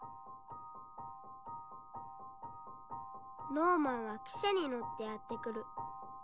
ノーマンは汽車に乗ってやって来る。